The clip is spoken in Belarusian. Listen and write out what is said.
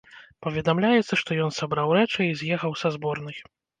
Паведамляецца, што ён сабраў рэчы і з'ехаў са зборнай.